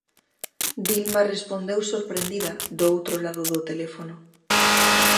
Dilma respondeu sorprendida do outro lado do teléfono.